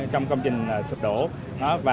trong công trình sụp đổ